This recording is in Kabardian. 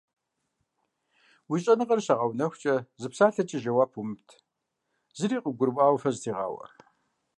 Уи щӏэныгъэр щигъэунэхукӏэ, зы псалъэкӏэ жэуап иумыт, зыри къыбгурмыӏуауэ фэ зытегъауэ.